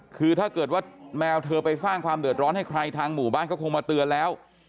คือถ้าเกิดว่าแมวเธอไปสร้างความเดือดร้อนให้ใครทางหมู่บ้านก็คงมาเตือนแล้ว